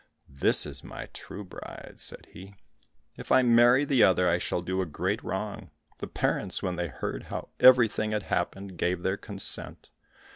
"This is my true bride," said he; "if I marry the other, I shall do a great wrong." The parents, when they heard how everything had happened, gave their consent.